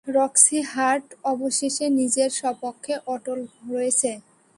Roxie Hart অবশেষে নিজের স্বপক্ষে অটল রয়েছে।